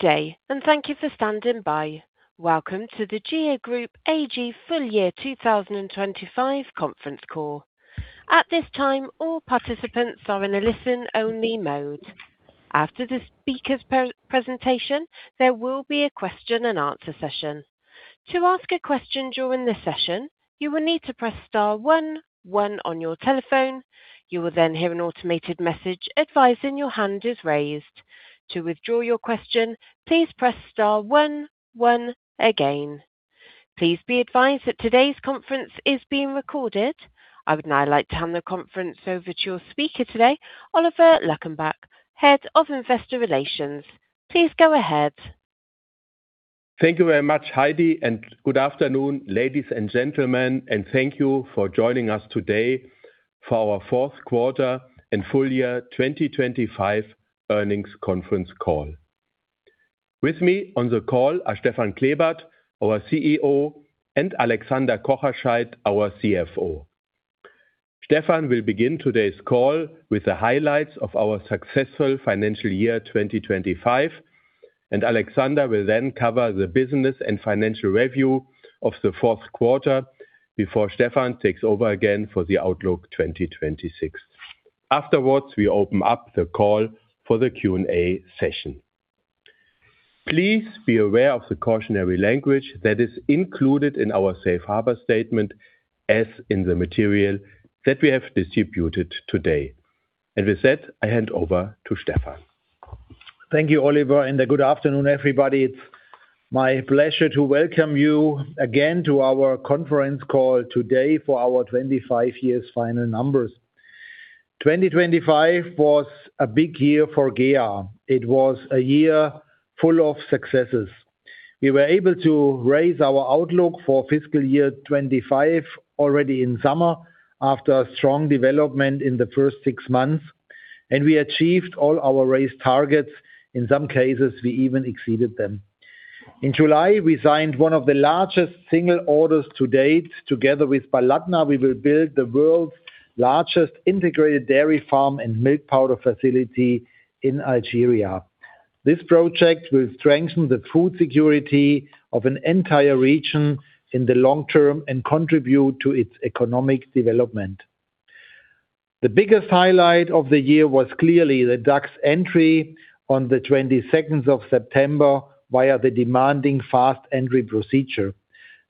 Thank you for standing by. Welcome to the GEA Group AG Full Year 2025 Conference Call. At this time, all participants are in a listen-only mode. After the speakers' pre-presentation, there will be a question and answer session. To ask a question during the session, you will need to press star one-one on your telephone. You will then hear an automated message advising your hand is raised. To withdraw your question, please press star one-one again. Please be advised that today's conference is being recorded. I would now like to hand the conference over to your speaker today, Oliver Luckenbach, Head of Investor Relations. Please go ahead. Thank you very much, Heidi. Good afternoon, ladies and gentlemen, and thank you for joining us today for our fourth quarter and full year 2025 earnings conference call. With me on the call are Stefan Klebert, our CEO, and Alexander Kocherscheidt, our CFO. Stefan will begin today's call with the highlights of our successful financial year 2025, and Alexander will then cover the business and financial review of the fourth quarter before Stefan takes over again for the outlook 2026. Afterwards, we open up the call for the Q&A session. Please be aware of the cautionary language that is included in our safe harbor statement, as in the material that we have distributed today. With that, I hand over to Stefan. Thank you, Oliver, and good afternoon, everybody. It's my pleasure to welcome you again to our conference call today for our 2025 years final numbers. 2025 was a big year for GEA. It was a year full of successes. We were able to raise our outlook for fiscal year 2025 already in summer after a strong development in the first six months. We achieved all our raised targets. In some cases, we even exceeded them. In July, we signed one of the largest single orders to date. Together with Baladna, we will build the world's largest integrated dairy farm and milk powder facility in Algeria. This project will strengthen the food security of an entire region in the long term and contribute to its economic development. The biggest highlight of the year was clearly the DAX entry on the 22nd of September via the demanding fast entry procedure.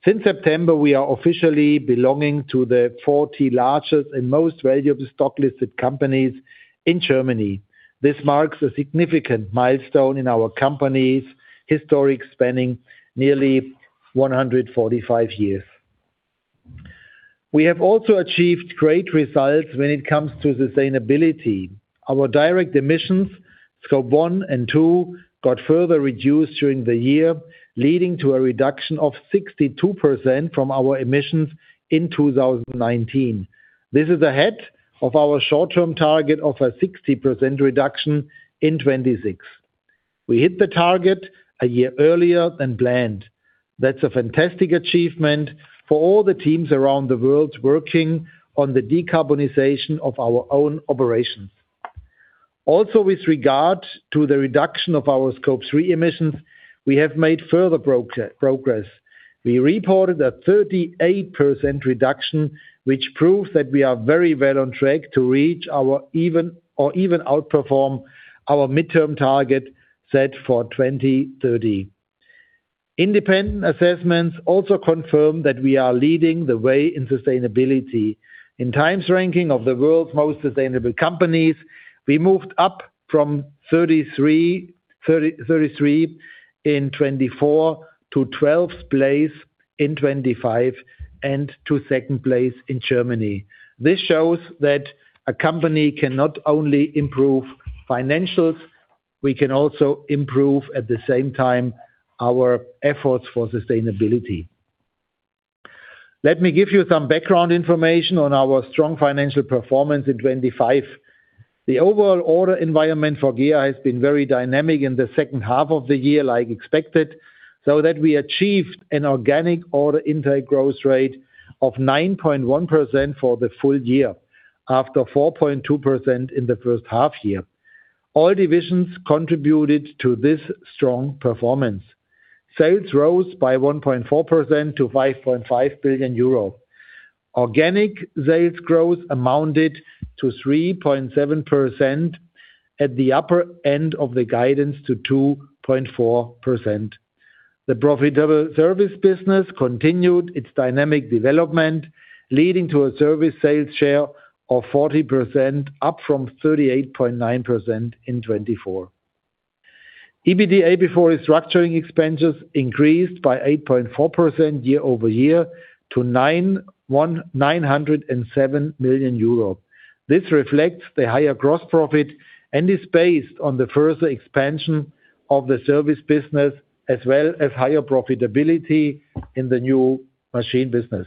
Since September, we are officially belonging to the 40 largest and most valuable stock-listed companies in Germany. This marks a significant milestone in our company's historic spanning nearly 145 years. We have also achieved great results when it comes to sustainability. Our direct emissions, Scope 1 and 2, got further reduced during the year, leading to a reduction of 62% from our emissions in 2019. This is ahead of our short-term target of a 60% reduction in 2026. We hit the target a year earlier than planned. That's a fantastic achievement for all the teams around the world working on the decarbonization of our own operations. Also, with regard to the reduction of our Scope 3 emissions, we have made further progress. We reported a 38% reduction, which proves that we are very well on track to reach our even or even outperform our midterm target set for 2030. Independent assessments also confirm that we are leading the way in sustainability. In Times ranking of the world's most sustainable companies, we moved up from 33 in 2024 to 12th place in 2025 and to second place in Germany. This shows that a company cannot only improve financials, we can also improve at the same time our efforts for sustainability. Let me give you some background information on our strong financial performance in 2025. The overall order environment for GEA has been very dynamic in the second half of the year, like expected, so that we achieved an organic order intake growth rate of 9.1% for the full year after 4.2% in the first half year. All divisions contributed to this strong performance. Sales rose by 1.4% to 5.5 billion euro. Organic sales growth amounted to 3.7% at the upper end of the guidance to 2.4%. The profitable service business continued its dynamic development, leading to a service sales share of 40%, up from 38.9% in 2024. EBITDA before restructuring expenses increased by 8.4% year-over-year to 907 million euro. This reflects the higher gross profit and is based on the further expansion of the service business as well as higher profitability in the new machine business.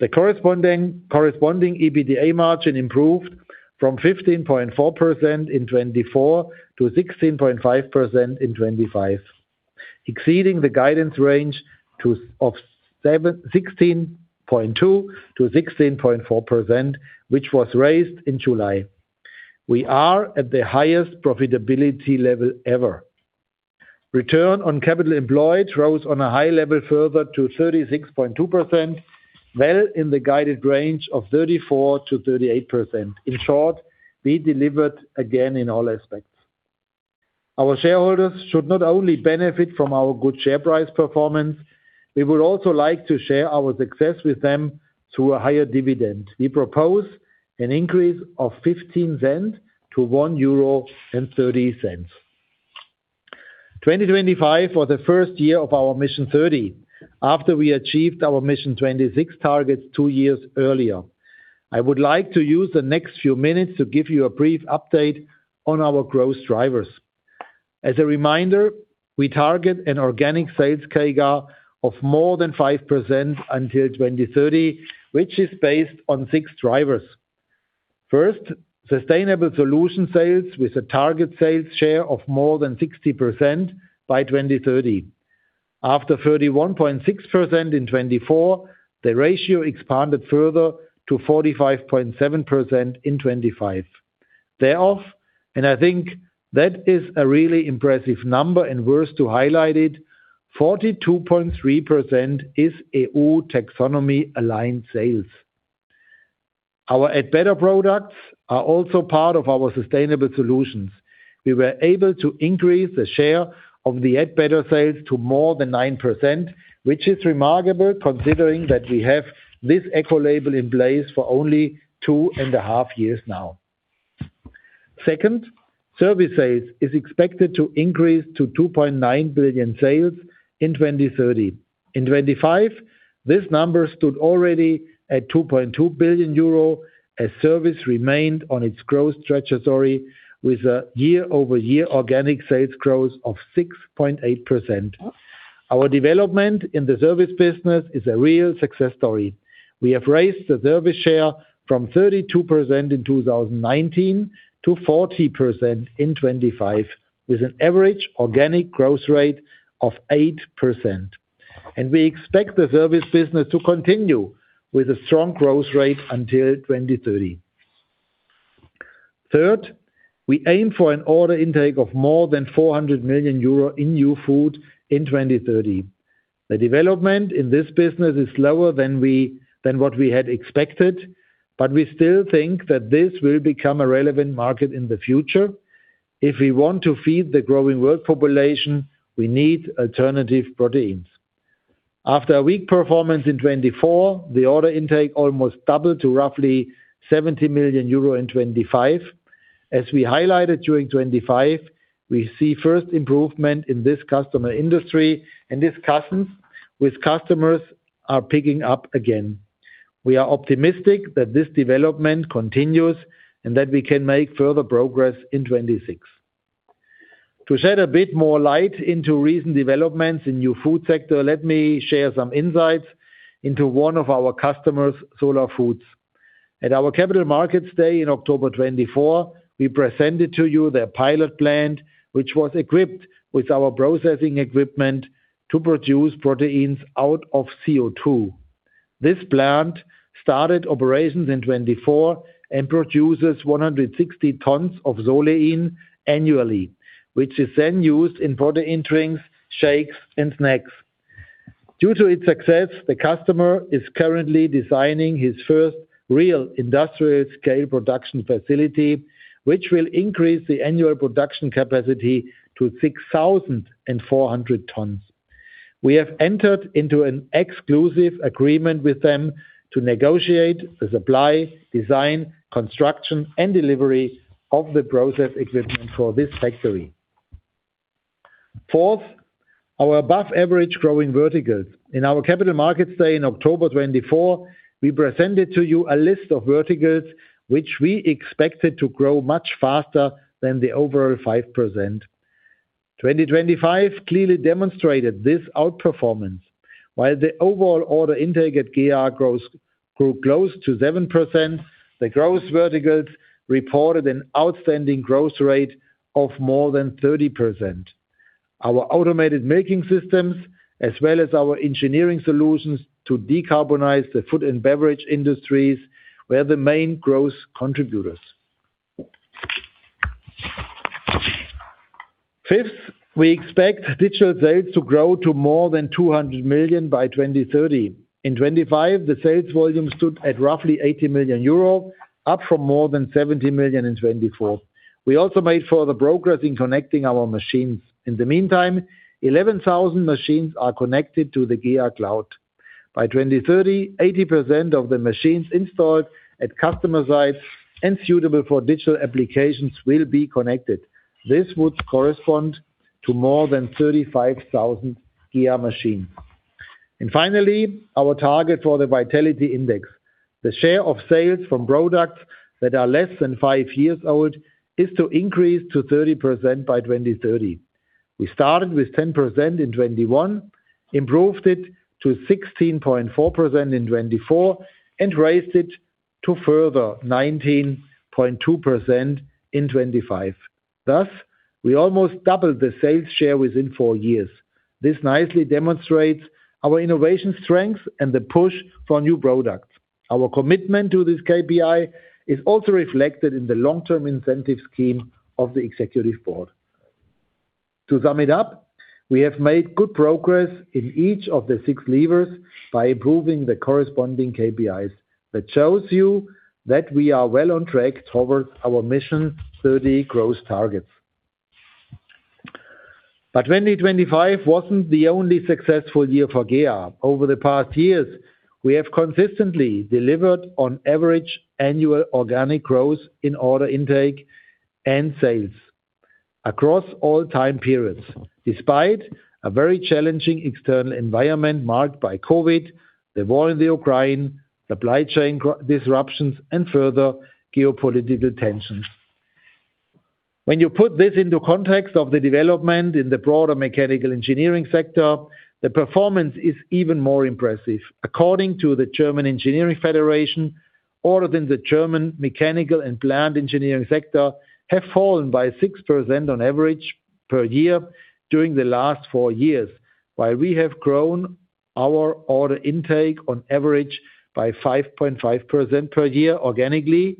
The corresponding EBITDA margin improved from 15.4% in 2024 to 16.5% in 2025. Exceeding the guidance range 16.2%-16.4%, which was raised in July. We are at the highest profitability level ever. Return on capital employed rose on a high level further to 36.2%, well in the guided range of 34%-38%. In short, we delivered again in all aspects. Our shareholders should not only benefit from our good share price performance, we would also like to share our success with them through a higher dividend. We propose an increase of 0.15 to 1.30 euro. 2025 was the first year of our Mission 30, after we achieved our Mission 26 targets two years earlier. I would like to use the next few minutes to give you a brief update on our growth drivers. As a reminder, we target an organic sales CAGR of more than 5% until 2030, which is based on six drivers. First, sustainable solution sales with a target sales share of more than 60% by 2030. After 31.6% in 2024, the ratio expanded further to 45.7% in 2025. Thereof, and I think that is a really impressive number and worth to highlight it, 42.3% is EU Taxonomy aligned sales. Our Add Better products are also part of our sustainable solutions. We were able to increase the share of the Add Better sales to more than 9%, which is remarkable considering that we have this eco label in place for only 2.5 years now. Service sales is expected to increase to 2.9 billion sales in 2030. In 2025, this number stood already at 2.2 billion euro, as service remained on its growth trajectory with a year-over-year organic sales growth of 6.8%. Our development in the service business is a real success story. We have raised the service share from 32% in 2019 to 40% in 2025, with an average organic growth rate of 8%. We expect the service business to continue with a strong growth rate until 2030. Third, we aim for an order intake of more than 400 million euro in New Food in 2030. The development in this business is slower than what we had expected, we still think that this will become a relevant market in the future. If we want to feed the growing world population, we need alternative proteins. After a weak performance in 2024, the order intake almost doubled to roughly 70 million euro in 2025. As we highlighted during 2025, we see first improvement in this customer industry, discussions with customers are picking up again. We are optimistic that this development continues and that we can make further progress in 2026. To shed a bit more light into recent developments in New Food sector, let me share some insights into one of our customers, Solar Foods. At our Capital Markets Day in October 2024, we presented to you their pilot plant, which was equipped with our processing equipment to produce proteins out of CO2. This plant started operations in 2024 and produces 160 tons of Solein annually, which is then used in protein drinks, shakes, and snacks. Due to its success, the customer is currently designing his first real industrial scale production facility, which will increase the annual production capacity to 6,400 tons. We have entered into an exclusive agreement with them to negotiate the supply, design, construction, and delivery of the process equipment for this factory. Our above average growing verticals. In our Capital Markets Day in October 2024, we presented to you a list of verticals which we expected to grow much faster than the overall 5%. 2025 clearly demonstrated this outperformance. While the overall order intake at GEA grew close to 7%, the growth verticals reported an outstanding growth rate of more than 30%. Our automated milking systems as well as our engineering solutions to decarbonize the food and beverage industries were the main growth contributors. Fifth, we expect digital sales to grow to more than 200 million by 2030. In 2025, the sales volume stood at roughly 80 million euro, up from more than 70 million in 2024. We also made further progress in connecting our machines. In the meantime, 11,000 machines are connected to the GEA Cloud. By 2030, 80% of the machines installed at customer sites and suitable for digital applications will be connected. This would correspond to more than 35,000 GEA machines. Finally, our target for the vitality index. The share of sales from products that are less than five years old is to increase to 30% by 2030. We started with 10% in 2021. Improved it to 16.4% in 2024, and raised it to further 19.2% in 2025. Thus, we almost doubled the sales share within four years. This nicely demonstrates our innovation strength and the push for new products. Our commitment to this KPI is also reflected in the long-term incentive scheme of the executive board. To sum it up, we have made good progress in each of the six levers by improving the corresponding KPIs. That shows you that we are well on track towards our Mission 30 growth targets. 2025 wasn't the only successful year for GEA. Over the past years, we have consistently delivered on average annual organic growth in order intake and sales across all time periods, despite a very challenging external environment marked by COVID, the war in the Ukraine, supply chain disruptions, and further geopolitical tensions. When you put this into context of the development in the broader mechanical engineering sector, the performance is even more impressive. According to the German Engineering Federation, orders in the German mechanical and plant engineering sector have fallen by 6% on average per year during the last four years, while we have grown our order intake on average by 5.5% per year organically,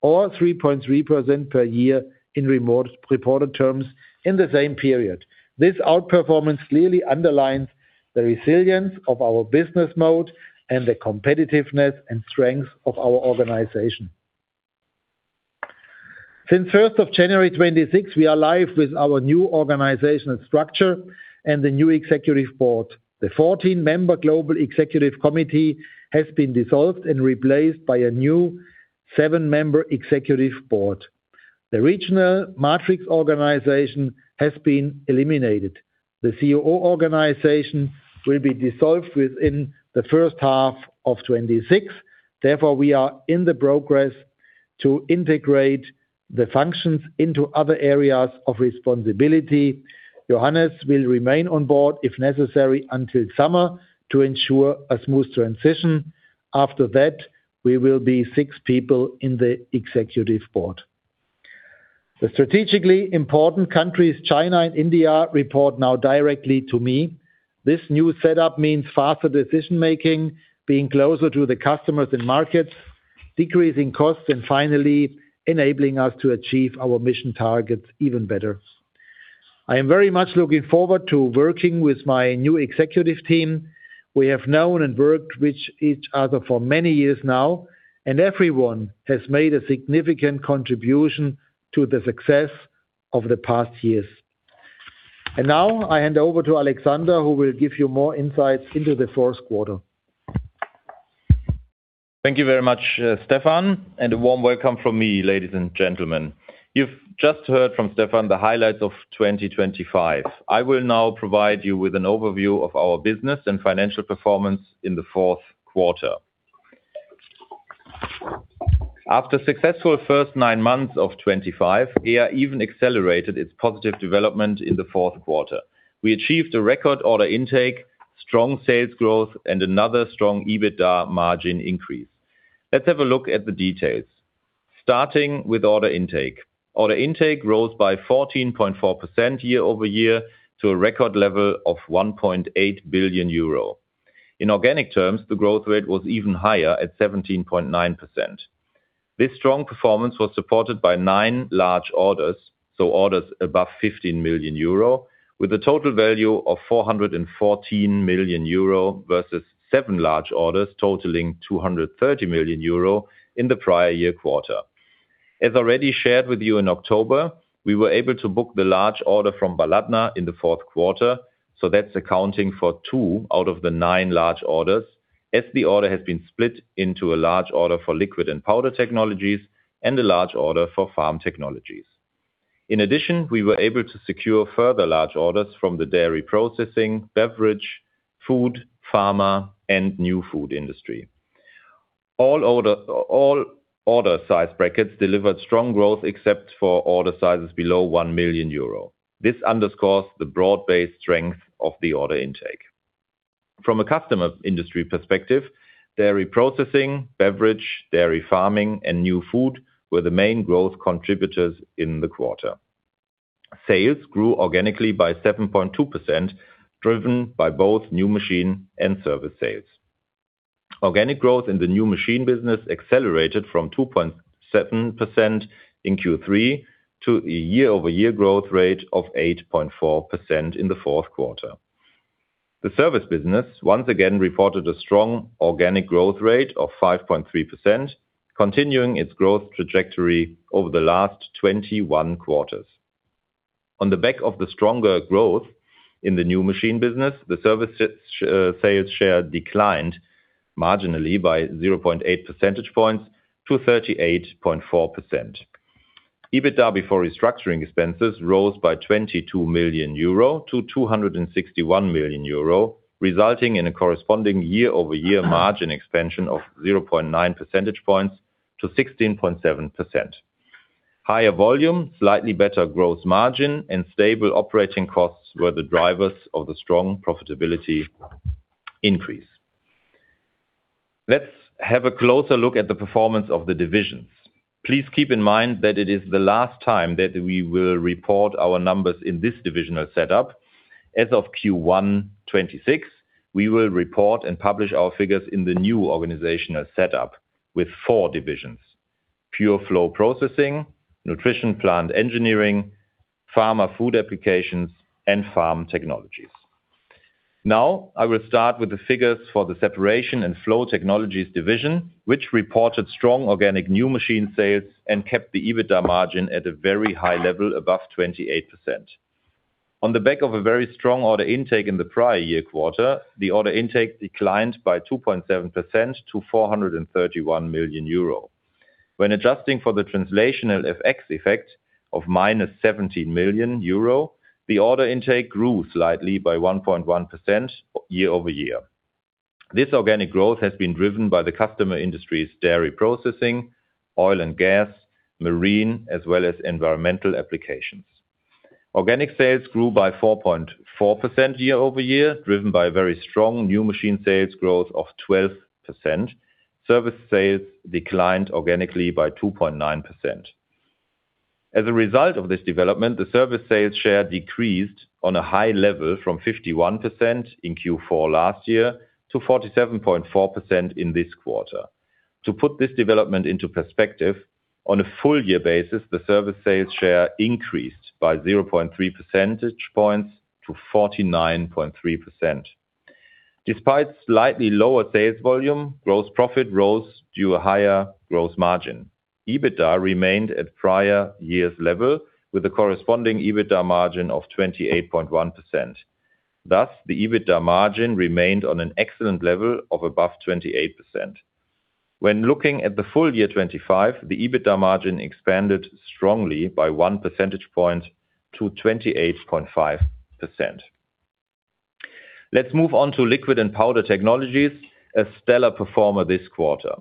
or 3.3% per year in remote reported terms in the same period. This outperformance clearly underlines the resilience of our business mode and the competitiveness and strength of our organization. Since 1st of January 2026, we are live with our new organizational structure and the new Executive Board. The 14-member global Executive Committee has been dissolved and replaced by a new seven-member Executive Board. The regional matrix organization has been eliminated. The COO organization will be dissolved within the first half of 2026. We are in the progress to integrate the functions into other areas of responsibility. Johannes will remain on board, if necessary, until summer to ensure a smooth transition. After that, we will be six people in the Executive Board. The strategically important countries, China and India, report now directly to me. This new setup means faster decision-making, being closer to the customers and markets, decreasing costs, and finally, enabling us to achieve our Mission targets even better. I am very much looking forward to working with my new Executive Team. We have known and worked with each other for many years now, and everyone has made a significant contribution to the success of the past years. Now I hand over to Alexander, who will give you more insights into the fourth quarter. Thank you very much, Stefan, and a warm welcome from me, ladies and gentlemen. You've just heard from Stefan the highlights of 2025. I will now provide you with an overview of our business and financial performance in the fourth quarter. After successful first nine months of 2025, GEA even accelerated its positive development in the fourth quarter. We achieved a record order intake, strong sales growth, and another strong EBITDA margin increase. Let's have a look at the details. Starting with order intake. Order intake rose by 14.4% year-over-year to a record level of 1.8 billion euro. In organic terms, the growth rate was even higher at 17.9%. This strong performance was supported by nine large orders, so orders above 15 million euro, with a total value of 414 million euro versus seven large orders totaling 230 million euro in the prior year quarter. As already shared with you in October, we were able to book the large order from Baladna in the fourth quarter, so that's accounting for two out of the nine large orders, as the order has been split into a large order for Liquid & Powder Technologies and a large order for Farm Technologies. In addition, we were able to secure further large orders from the dairy processing, beverage, food, pharma, and New Food industry. All order size brackets delivered strong growth except for order sizes below 1 million euro. This underscores the broad-based strength of the order intake. From a customer industry perspective, dairy processing, beverage, dairy farming, and New Food were the main growth contributors in the quarter. Sales grew organically by 7.2%, driven by both new machine and service sales. Organic growth in the new machine business accelerated from 2.7% in Q3 to a year-over-year growth rate of 8.4% in the fourth quarter. The service business once again reported a strong organic growth rate of 5.3%, continuing its growth trajectory over the last 21 quarters. On the back of the stronger growth in the new machine business, the service sales share declined marginally by 0.8 percentage points to 38.4%. EBITDA before restructuring expenses rose by 22 million euro to 261 million euro, resulting in a corresponding year-over-year margin expansion of 0.9 percentage points to 16.7%. Higher volume, slightly better growth margin, and stable operating costs were the drivers of the strong profitability increase. Let's have a closer look at the performance of the divisions. Please keep in mind that it is the last time that we will report our numbers in this divisional setup. As of Q1 2026, we will report and publish our figures in the new organizational setup with four divisions: Pure Flow Processing, Nutrition Plant Engineering, Pharma & Food Applications, and Farm Technologies. I will start with the figures for the Separation & Flow Technologies division, which reported strong organic new machine sales and kept the EBITDA margin at a very high level above 28%. On the back of a very strong order intake in the prior year quarter, the order intake declined by 2.7% to 431 million euro. Adjusting for the translational FX effect of minus 70 million euro, the order intake grew slightly by 1.1% year-over-year. This organic growth has been driven by the customer industry's dairy processing, oil and gas, marine, as well as environmental applications. Organic sales grew by 4.4% year-over-year, driven by very strong new machine sales growth of 12%. Service sales declined organically b y 2.9%. As a result of this development, the service sales share decreased on a high level from 51% in Q4 last year to 47.4% in this quarter. To put this development into perspective, on a full year basis, the service sales share increased by 0.3 percentage points to 49.3%. Despite slightly lower sales volume, gross profit rose due to higher gross margin. EBITDA remained at prior year's level with a corresponding EBITDA margin of 28.1%. Thus, the EBITDA margin remained on an excellent level of above 28%. When looking at the full year 2025, the EBITDA margin expanded strongly by 1 percentage point to 28.5%. Let's move on to Liquid & Powder Technologies, a stellar performer this quarter.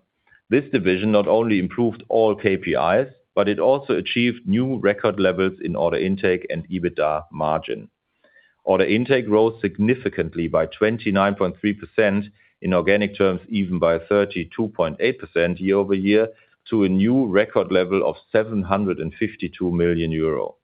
This division not only improved all KPIs, but it also achieved new record levels in order intake and EBITDA margin. Order intake rose significantly by 29.3% in organic terms, even by 32.8% year-over-year to a new record level of 752 million euro.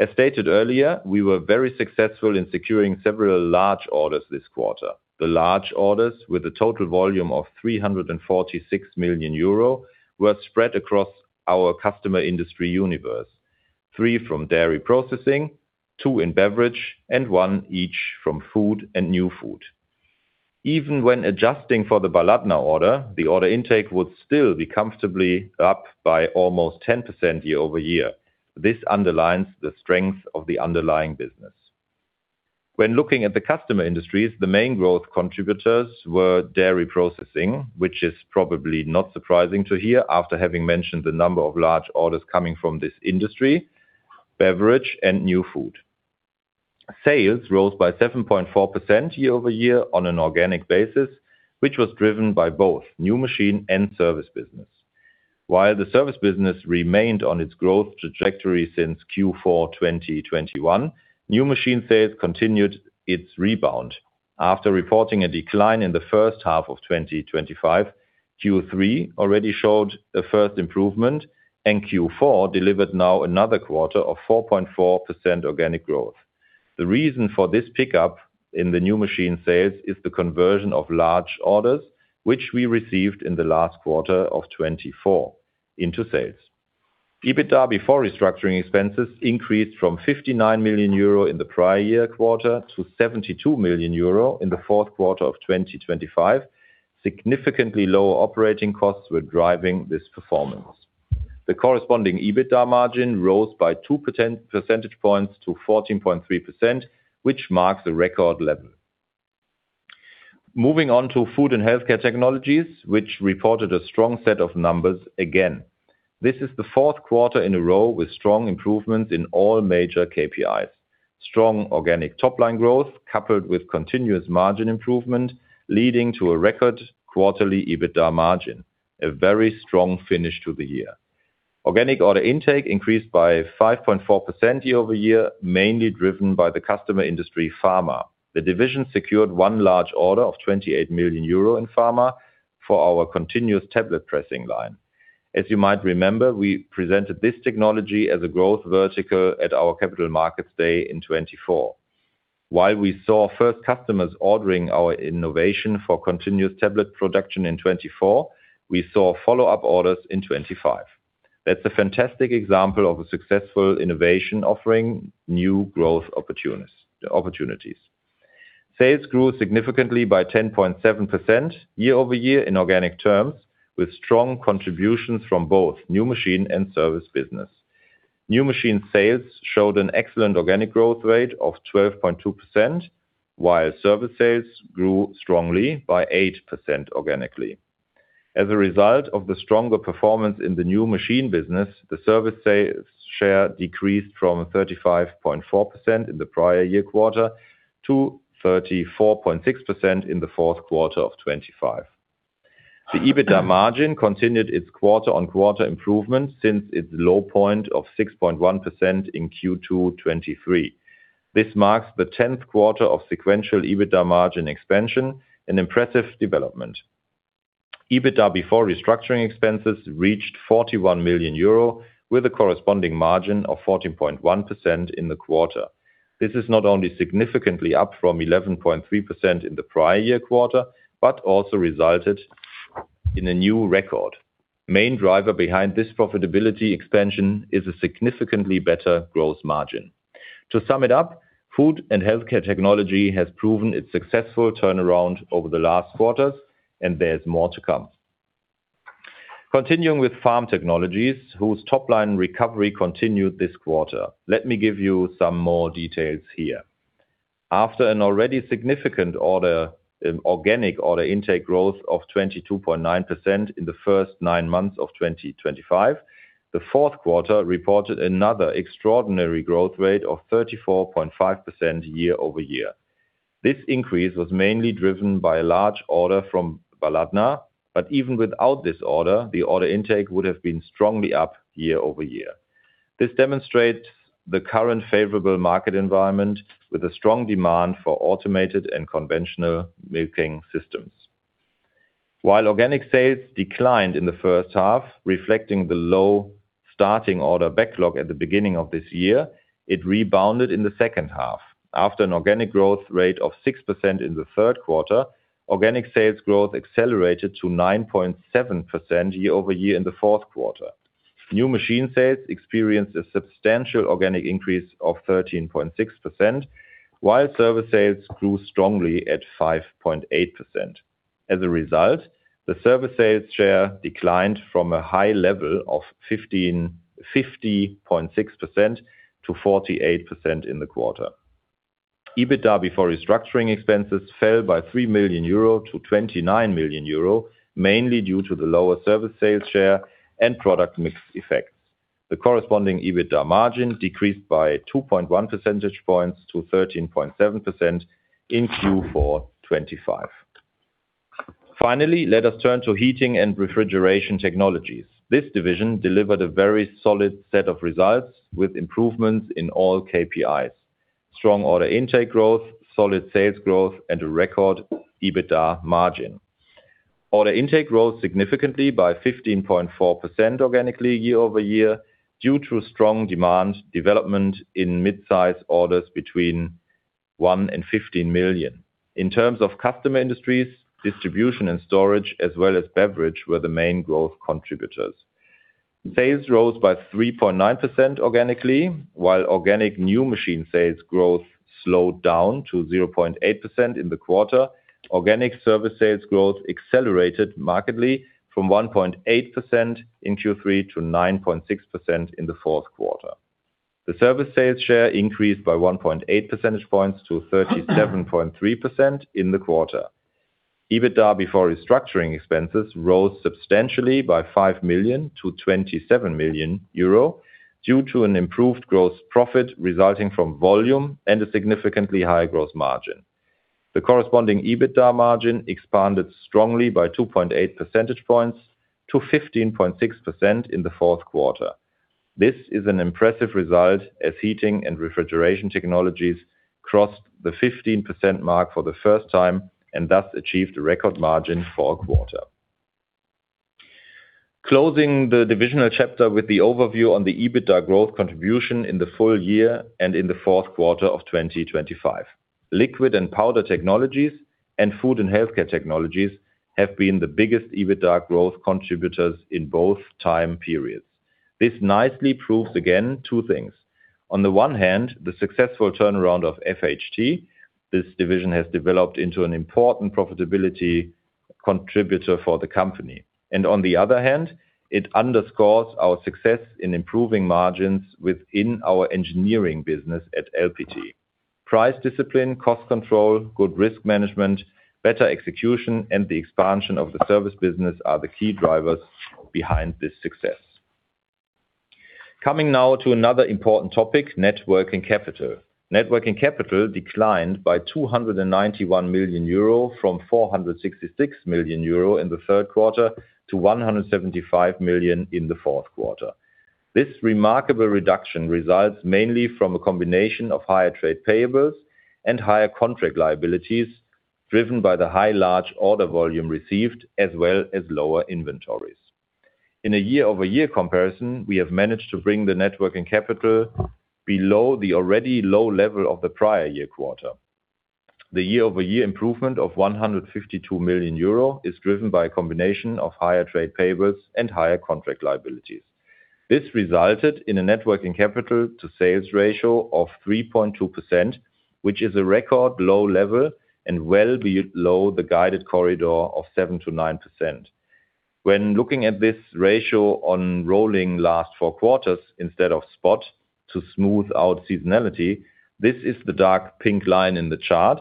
As stated earlier, we were very successful in securing several large orders this quarter. The large orders with a total volume of 346 million euro were spread across our customer industry universe. Three from dairy processing, two in beverage, and one each from food and New Food. Even when adjusting for the Baladna order, the order intake would still be comfortably up by almost 10% year-over-year. This underlines the strength of the underlying business. When looking at the customer industries, the main growth contributors were dairy processing, which is probably not surprising to hear after having mentioned the number of large orders coming from this industry, beverage and New Food. Sales rose by 7.4% year-over-year on an organic basis, which was driven by both new machine and service business. While the service business remained on its growth trajectory since Q4 2021, new machine sales continued its rebound. After reporting a decline in the first half of 2025, Q3 already showed a first improvement, and Q4 delivered now another quarter of 4.4% organic growth. The reason for this pickup in the new machine sales is the conversion of large orders, which we received in the last quarter of 2024 into sales. EBITDA before restructuring expenses increased from 59 million euro in the prior year quarter to 72 million euro in the fourth quarter of 2025. Significantly lower operating costs were driving this performance. The corresponding EBITDA margin rose by 2 percentage points to 14.3%, which marks a record level. Moving on to Food & Healthcare Technologies, which reported a strong set of numbers again. This is the fourth quarter in a row with strong improvements in all major KPIs. Strong organic top-line growth coupled with continuous margin improvement, leading to a record quarterly EBITDA margin, a very strong finish to the year. Organic order intake increased by 5.4% year-over-year, mainly driven by the customer industry pharma. The division secured one large order of 28 million euro in pharma for our continuous tablet pressing line. As you might remember, we presented this technology as a growth vertical at our Capital Markets Day in 2024. While we saw first customers ordering our innovation for continuous tablet production in 2024, we saw follow-up orders in 2025. That's a fantastic example of a successful innovation offering new growth opportunities. Sales grew significantly by 10.7% year-over-year in organic terms, with strong contributions from both new machine and service business. New machine sales showed an excellent organic growth rate of 12.2%, while service sales grew strongly by 8% organically. As a result of the stronger performance in the new machine business, the service sales share decreased from 35.4% in the prior year quarter to 34.6% in the fourth quarter of 2025. The EBITDA margin continued its quarter-on-quarter improvement since its low point of 6.1% in Q2 2023. This marks the 10th quarter of sequential EBITDA margin expansion, an impressive development. EBITDA before restructuring expenses reached 41 million euro with a corresponding margin of 14.1% in the quarter. This is not only significantly up from 11.3% in the prior year quarter, but also resulted in a new record. Main driver behind this profitability expansion is a significantly better growth margin. To sum it up, Food & Healthcare Technologies has proven its successful turnaround over the last quarters, and there's more to come. Continuing with Farm Technologies, whose top-line recovery continued this quarter. Let me give you some more details here. After an already significant order, organic order intake growth of 22.9% in the first nine months of 2025, the fourth quarter reported another extraordinary growth rate of 34.5% year-over-year. This increase was mainly driven by a large order from Baladna, but even without this order, the order intake would have been strongly up year-over-year. This demonstrates the current favorable market environment with a strong demand for automated and conventional milking systems. While organic sales declined in the first half, reflecting the low starting order backlog at the beginning of this year, it rebounded in the second half. After an organic growth rate of 6% in the third quarter, organic sales growth accelerated to 9.7% year-over-year in the fourth quarter. New machine sales experienced a substantial organic increase of 13.6%, while service sales grew strongly at 5.8%. As a result, the service sales share declined from a high level of 50.6% to 48% in the quarter. EBITDA before restructuring expenses fell by 3 million euro to 29 million euro, mainly due to the lower service sales share and product mix effects. The corresponding EBITDA margin decreased by 2.1 percentage points to 13.7% in Q4 2025. Let us turn to Heating & Refrigeration Technologies. This division delivered a very solid set of results with improvements in all KPIs. Strong order intake growth, solid sales growth, and a record EBITDA margin. Order intake growth significantly by 15.4% organically year-over-year due to strong demand development in midsize orders between 1 million and 15 million. In terms of customer industries, distribution and storage as well as beverage were the main growth contributors. Sales rose by 3.9% organically, while organic new machine sales growth slowed down to 0.8% in the quarter. Organic service sales growth accelerated markedly from 1.8% in Q3 to 9.6% in the fourth quarter. The service sales share increased by 1.8 percentage points to 37.3% in the quarter. EBITDA before restructuring expenses rose substantially by 5 million to 27 million euro due to an improved gross profit resulting from volume and a significantly higher gross margin. The corresponding EBITDA margin expanded strongly by 2.8 percentage points to 15.6% in the fourth quarter. This is an impressive result as Heating & Refrigeration Technologies crossed the 15% mark for the first time and thus achieved a record margin for a quarter. Closing the divisional chapter with the overview on the EBITDA growth contribution in the full year and in the fourth quarter of 2025. Liquid & Powder Technologies and Food & Healthcare Technologies have been the biggest EBITDA growth contributors in both time periods. This nicely proves again two things. On the one hand, the successful turnaround of FHT, this division has developed into an important profitability contributor for the company. On the other hand, it underscores our success in improving margins within our engineering business at LPT. Price discipline, cost control, good risk management, better execution, and the expansion of the service business are the key drivers behind this success. Coming now to another important topic, net working capital. Net working capital declined by 291 million euro from 466 million euro in the third quarter to 175 million in the fourth quarter. This remarkable reduction results mainly from a combination of higher trade payables and higher contract liabilities driven by the high large order volume received as well as lower inventories. In a year-over-year comparison, we have managed to bring the net working capital below the already low level of the prior year quarter. The year-over-year improvement of 152 million euro is driven by a combination of higher trade payables and higher contract liabilities. This resulted in a net working capital to sales ratio of 3.2%, which is a record low level and well below the guided corridor of 7%-9%. When looking at this ratio on rolling last four quarters instead of spot to smooth out seasonality, this is the dark pink line in the chart.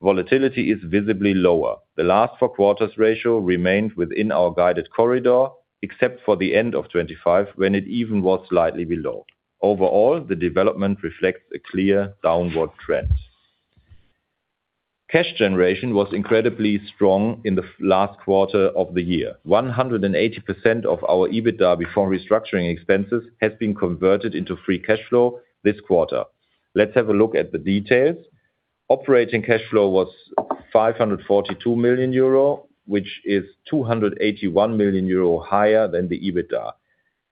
Volatility is visibly lower. The last four quarters ratio remains within our guided corridor, except for the end of 2025 when it even was slightly below. Overall, the development reflects a clear downward trend. Cash generation was incredibly strong in the last quarter of the year. 180% of our EBITDA before restructuring expenses has been converted into free cash flow this quarter. Let's have a look at the details. Operating cash flow was 542 million euro, which is 281 million euro higher than the EBITDA.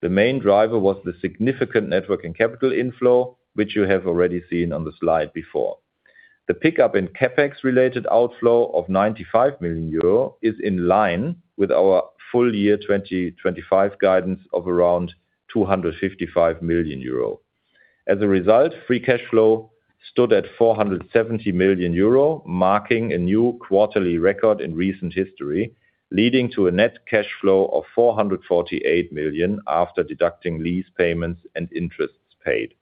The main driver was the significant network and capital inflow, which you have already seen on the slide before. The pickup in CapEx related outflow of 95 million euro is in line with our full year 2025 guidance of around 255 million euro. As a result, free cash flow stood at 470 million euro, marking a new quarterly record in recent history, leading to a net cash flow of 448 million after deducting lease payments and interests paid.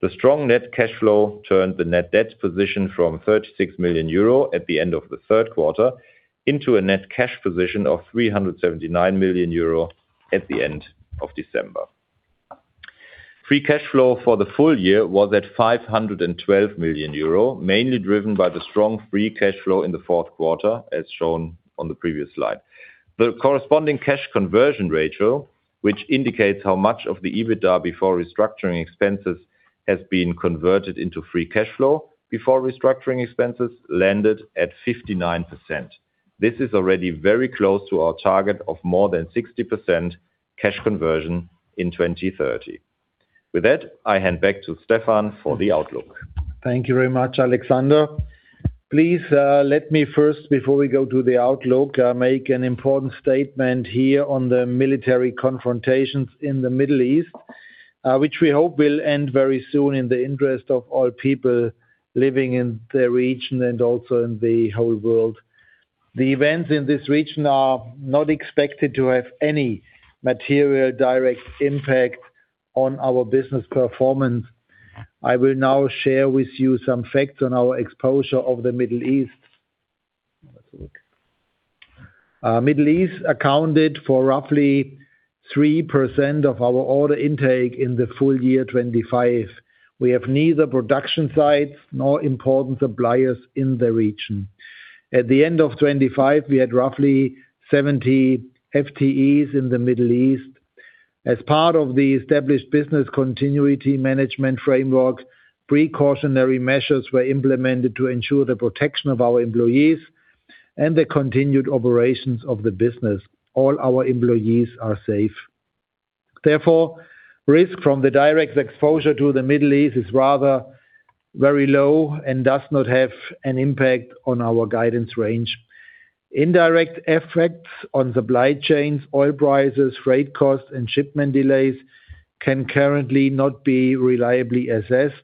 The strong net cash flow turned the net debt position from 36 million euro at the end of the third quarter into a net cash position of 379 million euro at the end of December. Free cash flow for the full year was at 512 million euro, mainly driven by the strong free cash flow in the fourth quarter, as shown on the previous slide. The corresponding cash conversion ratio, which indicates how much of the EBITDA before restructuring expenses has been converted into free cash flow before restructuring expenses, landed at 59%. This is already very close to our target of more than 60% cash conversion in 2030. With that, I hand back to Stefan for the outlook. Thank you very much, Alexander. Please let me first, before we go to the outlook, make an important statement here on the military confrontations in the Middle East, which we hope will end very soon in the interest of all people living in the region and also in the whole world. The events in this region are not expected to have any material direct impact on our business performance. I will now share with you some facts on our exposure of the Middle East. Middle East accounted for roughly 3% of our order intake in the full year 2025. We have neither production sites nor important suppliers in the region. At the end of 2025, we had roughly 70 FTEs in the Middle East. As part of the established business continuity management framework, precautionary measures were implemented to ensure the protection of our employees and the continued operations of the business. All our employees are safe. Risk from the direct exposure to the Middle East is rather very low and does not have an impact on our guidance range. Indirect effects on supply chains, oil prices, freight costs, and shipment delays can currently not be reliably assessed.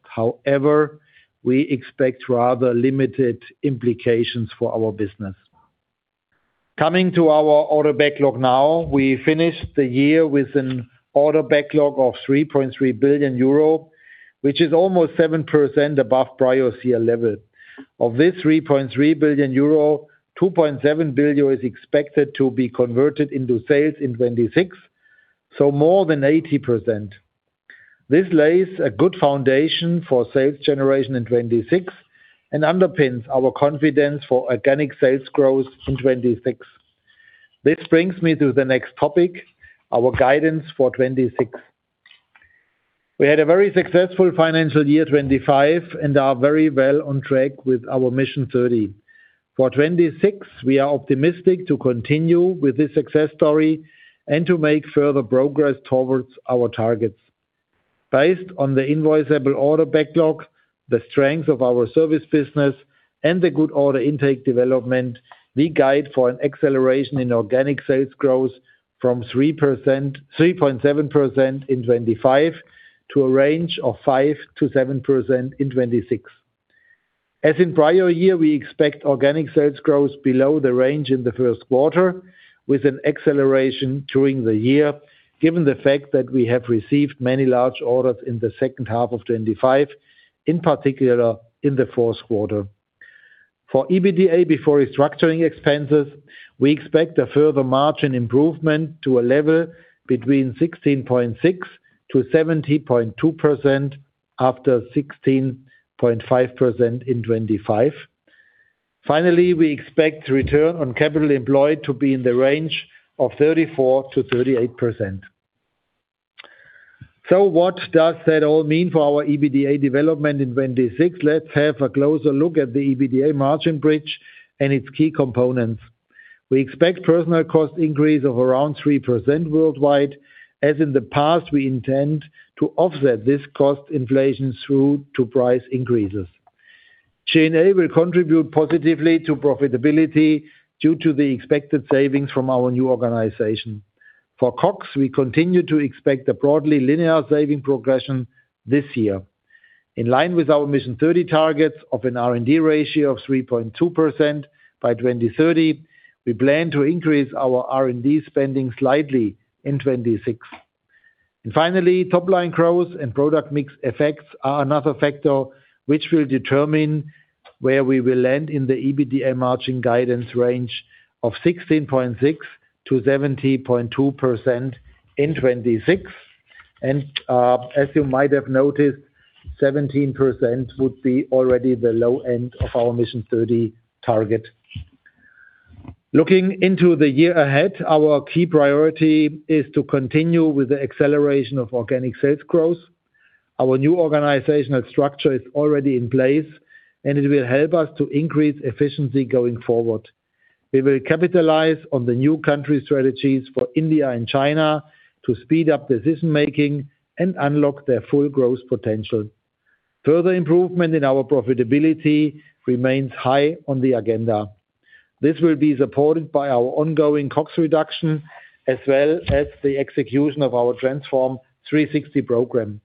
We expect rather limited implications for our business. Coming to our order backlog now. We finished the year with an order backlog of 3.3 billion euro, which is almost 7% above prior year level. Of this 3.3 billion euro, 2.7 billion is expected to be converted into sales in 2026, so more than 80%. This lays a good foundation for sales generation in 2026 and underpins our confidence for organic sales growth in 2026. This brings me to the next topic, our guidance for 2026. We had a very successful financial year 2025 and are very well on track with our Mission 30. For 2026, we are optimistic to continue with this success story and to make further progress towards our targets. Based on the invoiceable order backlog, the strength of our service business, and the good order intake development, we guide for an acceleration in organic sales growth from 3%, 3.7% in 2025 to a range of 5%-7% in 2026. As in prior year, we expect organic sales growth below the range in the first quarter, with an acceleration during the year, given the fact that we have received many large orders in the second half of 2025, in particular in the fourth quarter. For EBITDA before restructuring expenses, we expect a further margin improvement to a level between 16.6%-17.2% after 16.5% in 2025. We expect return on capital employed to be in the range of 34%-38%. What does that all mean for our EBITDA development in 2026? Let's have a closer look at the EBITDA margin bridge and its key components. We expect personnel cost increase of around 3% worldwide. As in the past, we intend to offset this cost inflation through to price increases. G&A will contribute positively to profitability due to the expected savings from our new organization. For CapEx, we continue to expect a broadly linear saving progression this year. In line with our Mission 30 targets of an R&D ratio of 3.2% by 2030, we plan to increase our R&D spending slightly in 2026. Finally, top-line growth and product mix effects are another factor which will determine where we will land in the EBITDA margin guidance range of 16.6%-70.2% in 2026. As you might have noticed, 17% would be already the low end of our Mission 30 target. Looking into the year ahead, our key priority is to continue with the acceleration of organic sales growth. Our new organizational structure is already in place, and it will help us to increase efficiency going forward. We will capitalize on the new country strategies for India and China to speed up decision-making and unlock their full growth potential. Further improvement in our profitability remains high on the agenda. This will be supported by our ongoing cost reduction as well as the execution of our Transform 360 program.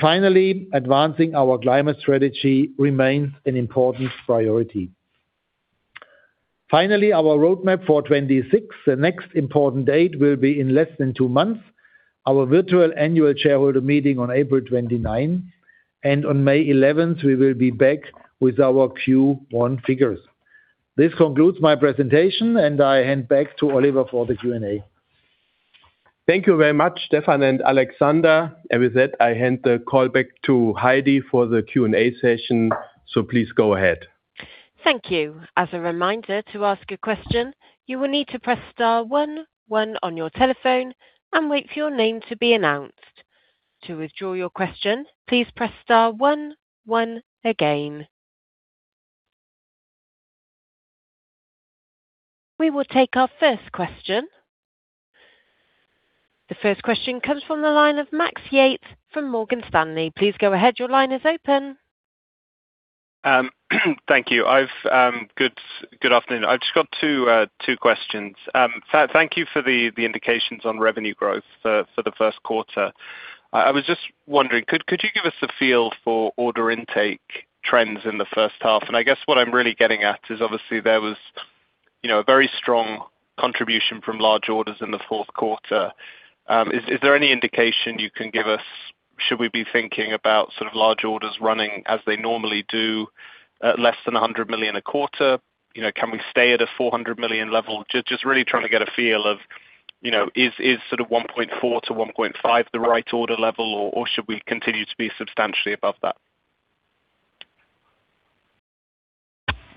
Finally, advancing our climate strategy remains an important priority. Finally, our roadmap for 2026. The next important date will be in less than two months, our virtual Annual Shareholder Meeting on April 29. On May 11th, we will be back with our Q1 figures. This concludes my presentation, and I hand back to Oliver for the Q&A. Thank you very much, Stefan and Alexander. With that, I hand the call back to Heidi for the Q&A session. Please go ahead. Thank you. As a reminder, to ask a question, you will need to press star one one on your telephone and wait for your name to be announced. To withdraw your question, please press star one one again. We will take our first question. The first question comes from the line of Max Yates from Morgan Stanley. Please go ahead. Your line is open. Thank you. I've Good afternoon. I've just got two questions. Thank you for the indications on revenue growth for the first quarter. I was just wondering, could you give us a feel for order intake trends in the first half? I guess what I'm really getting at is obviously there was, you know, a very strong contribution from large orders in the fourth quarter. Is there any indication you can give us? Should we be thinking about sort of large orders running as they normally do at less than 100 million a quarter? You know, can we stay at a 400 million level? Just really trying to get a feel of, you know, is sort of 1.4 billion to 1.5 billion the right order level, or should we continue to be substantially above that?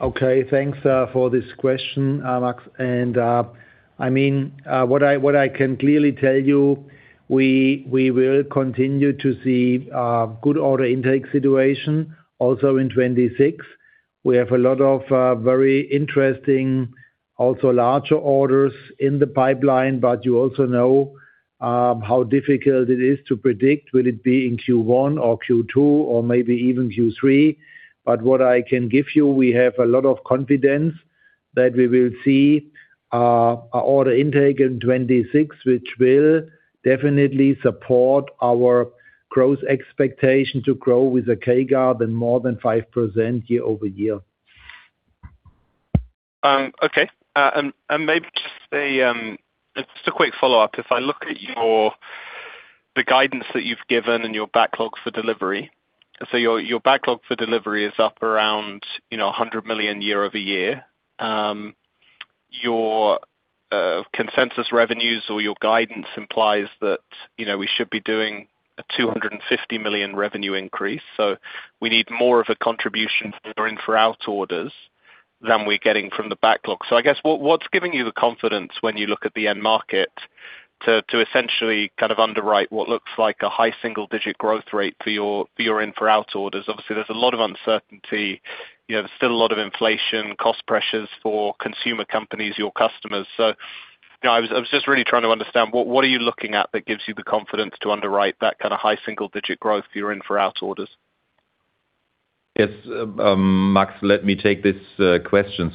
Okay. Thanks for this question, Max. I mean, what I can clearly tell you, we will continue to see a good order intake situation also in 2026. We have a lot of very interesting also larger orders in the pipeline, but you also know how difficult it is to predict, will it be in Q1 or Q2 or maybe even Q3. What I can give you, we have a lot of confidence that we will see our order intake in 2026, which will definitely support our growth expectation to grow with a CAGR than more than 5% year over year. Okay. And maybe just a quick follow-up. If I look at your, the guidance that you've given and your backlog for delivery. Your backlog for delivery is up around, you know, 100 million year-over-year. Your consensus revenues or your guidance implies that, you know, we should be doing a 250 million revenue increase. We need more of a contribution for in-for-out orders than we're getting from the backlog. I guess, what's giving you the confidence when you look at the end market to essentially kind of underwrite what looks like a high single-digit growth rate for your, for your in-for-out orders? Obviously, there's a lot of uncertainty. You know, there's still a lot of inflation, cost pressures for consumer companies, your customers. You know, I was just really trying to understand what are you looking at that gives you the confidence to underwrite that kind of high single-digit growth for your in-for-out orders? Yes. Max, let me take this question.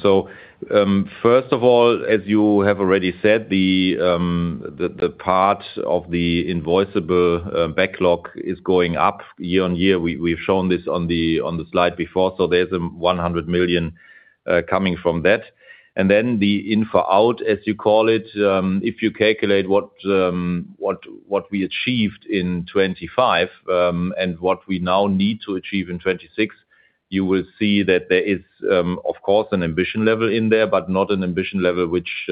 First of all, as you have already said, the part of the invoiceable backlog is going up year on year. We've shown this on the slide before. There's a 100 million coming from that. Then the in-for-out, as you call it, if you calculate what we achieved in 2025 and what we now need to achieve in 2026, you will see that there is of course an ambition level in there, but not an ambition level which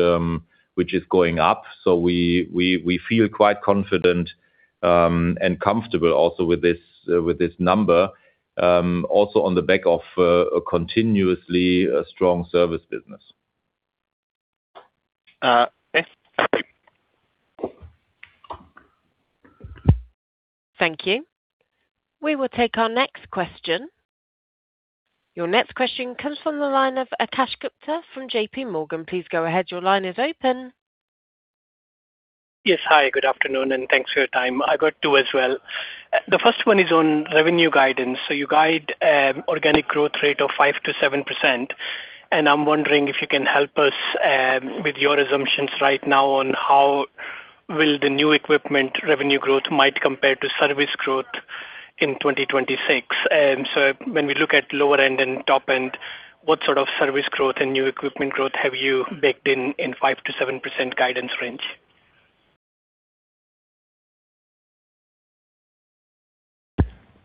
is going up. We feel quite confident and comfortable also with this with this number also on the back of a continuously strong service business. Yes. Thank you. We will take our next question. Your next question comes from the line of Akash Gupta from J.P. Morgan. Please go ahead. Your line is open. Yes. Hi, good afternoon, and thanks for your time. I got two as well. The first one is on revenue guidance. You guide organic growth rate of 5%-7%, I'm wondering if you can help us with your assumptions right now on how will the new equipment revenue growth might compare to service growth in 2026. When we look at lower end and top end, what sort of service growth and new equipment growth have you baked in 5%-7% guidance range?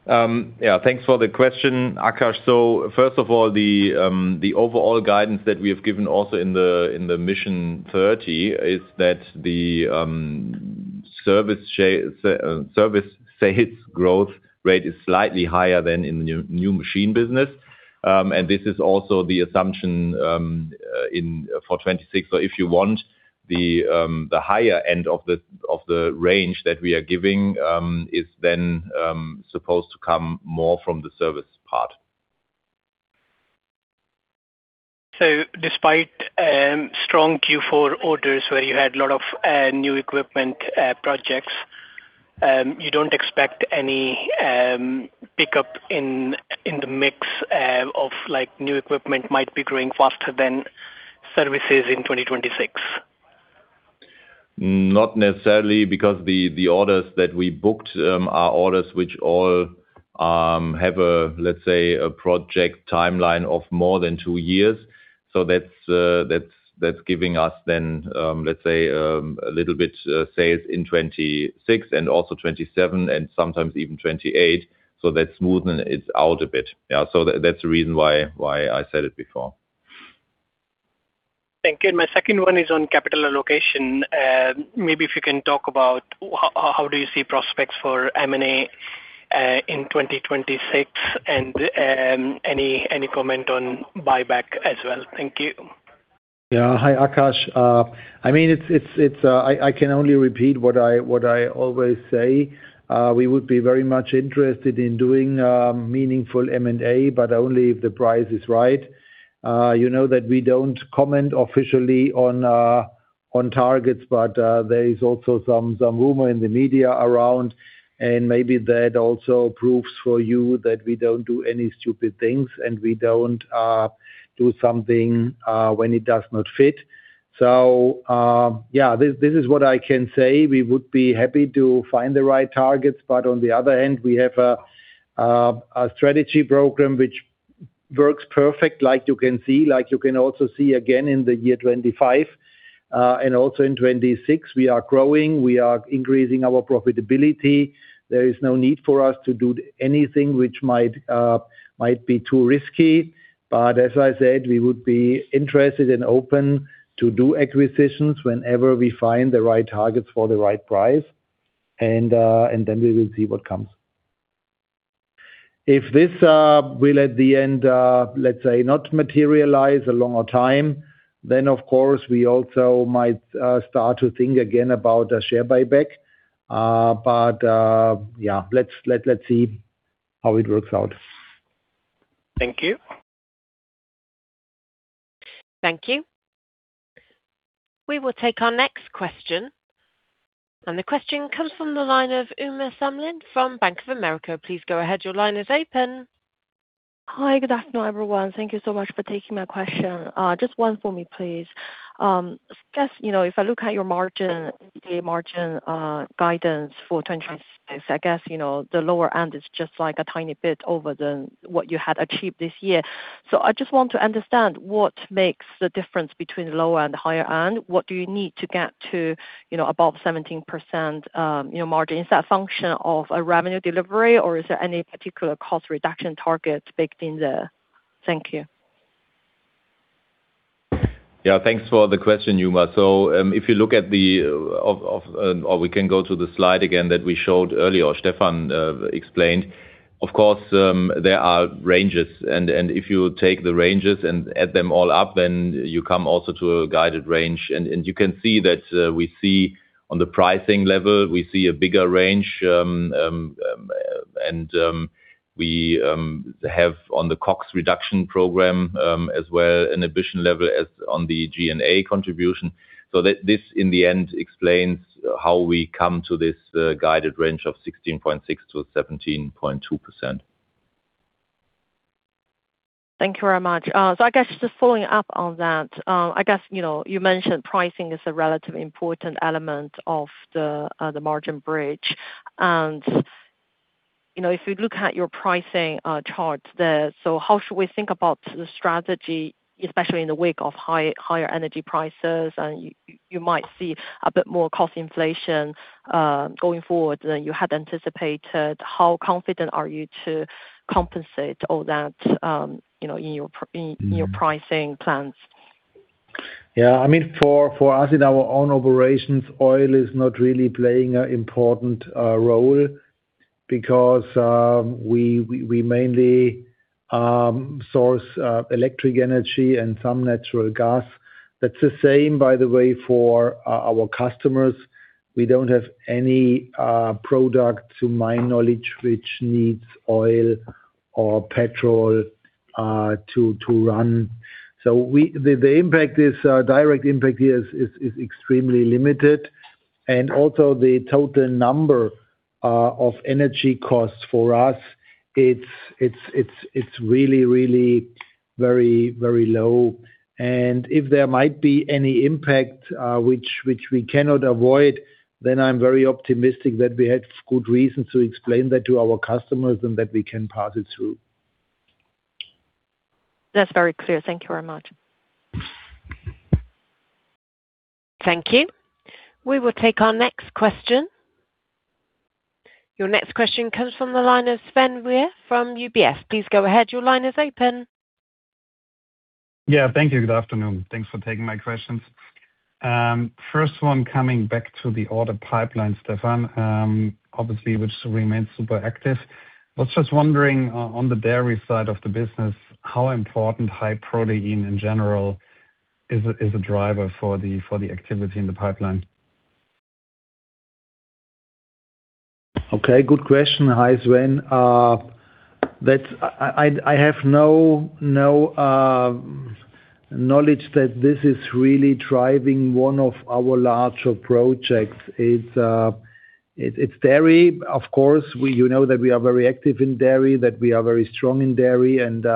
Yeah, thanks for the question, Akash. First of all, the overall guidance that we have given also in the Mission 30 is that the service sales growth rate is slightly higher than in the new machine business. This is also the assumption for 2026. If you want the higher end of the range that we are giving, is then supposed to come more from the service part. Despite strong Q4 orders where you had a lot of new equipment projects, you don't expect any pickup in the mix of like new equipment might be growing faster than services in 2026? Not necessarily, because the orders that we booked are orders which all have a, let's say, a project timeline of more than two years. That's giving us then, let's say, a little bit sales in 2026 and also 2027 and sometimes even 2028. That smoothen it out a bit. Yeah. That's the reason why I said it before. Thank you. My second one is on capital allocation. Maybe if you can talk about how do you see prospects for M&A in 2026 and any comment on buyback as well? Thank you. Hi, Akash. I mean, it's, I can only repeat what I always say. We would be very much interested in doing meaningful M&A, but only if the price is right. You know that we don't comment officially on targets, but there is also some rumor in the media around, and maybe that also proves for you that we don't do any stupid things, and we don't do something when it does not fit. This is what I can say. We would be happy to find the right targets, but on the other end, we have a strategy program which works perfect, like you can see. Like you can also see again in the year 2025, and also in 2026, we are growing, we are increasing our profitability. There is no need for us to do anything which might be too risky. As I said, we would be interested and open to do acquisitions whenever we find the right targets for the right price, and then we will see what comes. If this will at the end, let's say, not materialize a longer time, then of course we also might start to think again about a share buyback. Yeah, let's see how it works out. Thank you. Thank you. We will take our next question. The question comes from the line of Uma Samlin from Bank of America. Please go ahead. Your line is open. Hi. Good afternoon, everyone. Thank you so much for taking my question. just one for me, please. I guess, you know, if I look at your margin, the margin, guidance for 2026, I guess, you know, the lower end is just like a tiny bit over the, what you had achieved this year. I just want to understand what makes the difference between the lower and higher end. What do you need to get to, you know, above 17%, you know, margin? Is that a function of a revenue delivery or is there any particular cost reduction target baked in there? Thank you. Yeah. Thanks for the question, Uma. If you look at the slide again that we showed earlier or Stefan explained. Of course, there are ranges and if you take the ranges and add them all up, then you come also to a guided range. And you can see that we see on the pricing level, we see a bigger range, and we have on the CapEx reduction program as well an ambition level as on the G&A contribution. This in the end explains how we come to this guided range of 16.6%-17.2%. Thank you very much. I guess just following up on that, I guess, you know, you mentioned pricing is a relatively important element of the margin bridge. You know, if we look at your pricing charts there, how should we think about the strategy, especially in the wake of higher energy prices, and you might see a bit more cost inflation going forward than you had anticipated. How confident are you to compensate all that, you know, in your pr-In your pricing plans? Yeah. I mean, for us in our own operations, oil is not really playing an important role because we mainly source electric energy and some natural gas. That's the same, by the way, for our customers. We don't have any product to my knowledge which needs oil or petrol to run. The impact is direct impact here is extremely limited. The total number of energy costs for us, it's really, really very, very low. If there might be any impact which we cannot avoid, then I'm very optimistic that we have good reasons to explain that to our customers and that we can pass it through. That's very clear. Thank you very much. Thank you. We will take our next question. Your next question comes from the line of Sven Weier from UBS. Please go ahead. Your line is open. Yeah, thank you. Good afternoon. Thanks for taking my questions. First one, coming back to the order pipeline, Stefan. Obviously, which remains super active. Was just wondering on the dairy side of the business, how important high protein in general is a driver for the activity in the pipeline? Okay, good question. Hi, Sven. That I have no knowledge that this is really driving one of our larger projects. It's dairy. Of course, we know that we are very active in dairy, that we are very strong in dairy and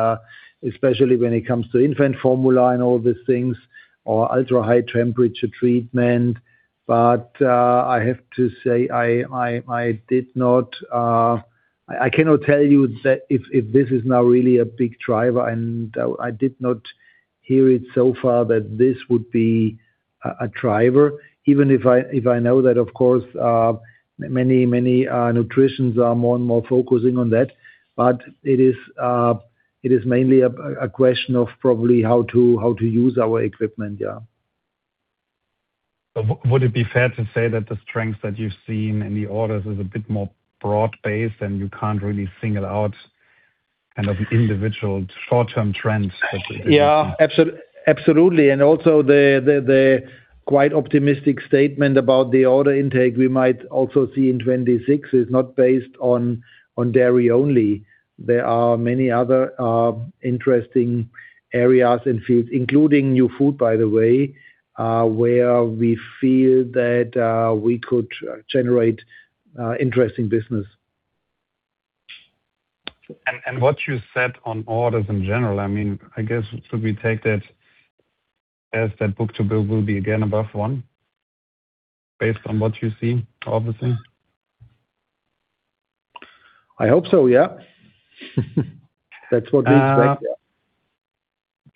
especially when it comes to infant formula and all these things, or ultra-high temperature treatment. I have to say I did not, I cannot tell you that if this is now really a big driver, and I did not hear it so far that this would be a driver. Even if I know that, of course, many nutritions are more and more focusing on that. It is mainly a question of probably how to use our equipment, yeah. Would it be fair to say that the strengths that you've seen in the orders is a bit more broad-based, you can't really single out kind of individual short-term trends that we didn't see? Yeah, absolutely. Also the quite optimistic statement about the order intake we might also see in 2026 is not based on dairy only. There are many other interesting areas and fields, including New Food, by the way, where we feel that we could generate interesting business. What you said on orders in general, I mean, I guess should we take that as that book-to-bill will be again above 1x based on what you see, obviously? I hope so, yeah. That's what we expect, yeah.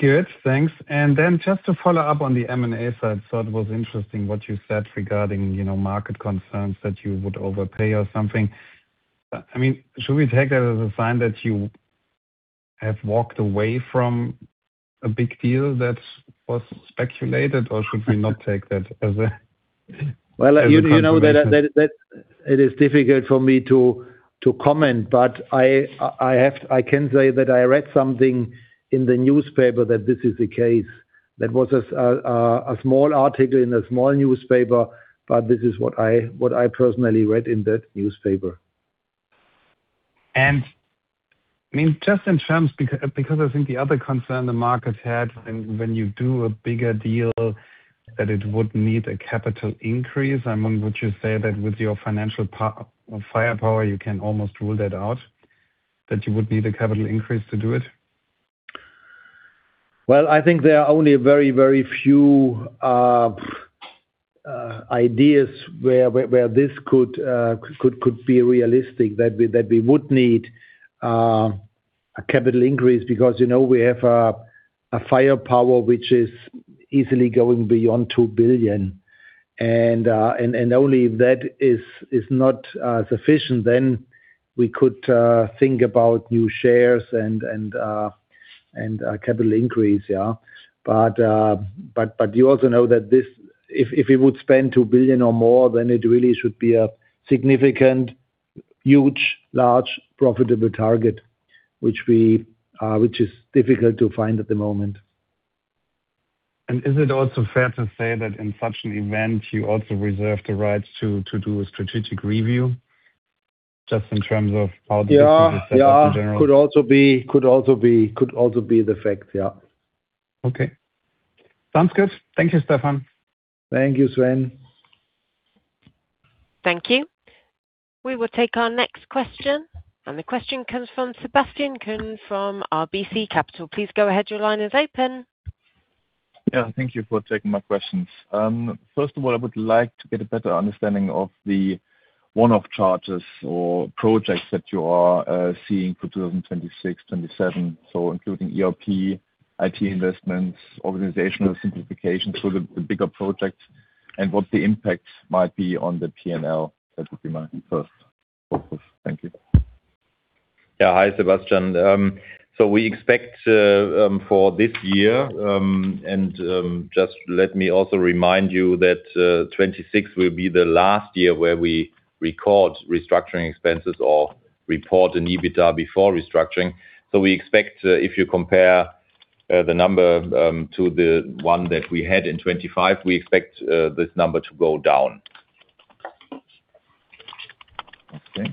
Good. Thanks. Just to follow up on the M&A side, it was interesting what you said regarding, you know, market concerns that you would overpay or something. I mean, should we take that as a sign that you have walked away from a big deal that was speculated, or should we not take that as a as a confirmation? Well, you know, that, it is difficult for me to comment, but I can say that I read something in the newspaper that this is the case. That was a small article in a small newspaper, but this is what I personally read in that newspaper. I mean, just in terms, because I think the other concern the market had and when you do a bigger deal, that it would need a capital increase. I mean, would you say that with your financial firepower, you can almost rule that out, that you would need a capital increase to do it? Well, I think there are only a very few ideas where this could be realistic, that we would need a capital increase. You know, we have a firepower which is easily going beyond 2 billion. Only if that is not sufficient, then we could think about new shares and a capital increase, yeah. You also know that this, if it would spend 2 billion or more, then it really should be a significant, huge, large, profitable target, which we, which is difficult to find at the moment. Is it also fair to say that in such an event, you also reserve the rights to do a strategic review, just in terms of how the business is set up in general? Yeah. Could also be the fact, yeah. Okay. Sounds good. Thank you, Stefan. Thank you, Sven. Thank you. We will take our next question. The question comes from Sebastian Kuenne from RBC Capital Markets. Please go ahead. Your line is open. Thank you for taking my questions. First of all, I would like to get a better understanding of the one-off charges or projects that you are seeing for 2026, 2027. Including ERP, IT investments, organizational simplification, bigger projects, and what the impacts might be on the P&L. That would be my first focus. Thank you. Yeah. Hi, Sebastian. We expect for this year, and just let me also remind you that 2026 will be the last year where we record restructuring expenses or report an EBITDA before restructuring. We expect, if you compare the number to the one that we had in 2025, we expect this number to go down. Okay.